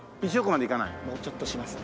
もうちょっとしますね。